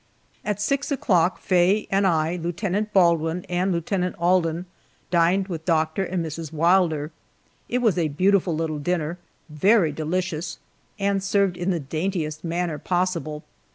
At six o'clock Faye and I, Lieutenant Baldwin, and Lieutenant Alden dined with Doctor and Mrs. Wilder. It was a beautiful little dinner, very delicious, and served in the daintiest manner possible.